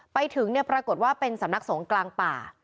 ไปถึงเนี่ยปรากฏว่าเป็นสำนักสงฆ์กลางป่า